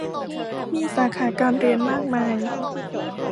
มีสาขาการเรียนมากมาย